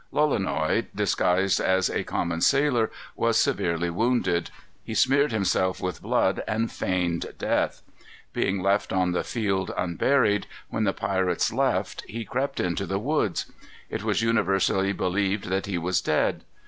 Lolonois, disguised as a common sailor, was severely wounded. He smeared himself with blood, and feigned death. Being left on the field unburied, when the Spaniards left, he crept into the woods. It was universally believed that he was dead.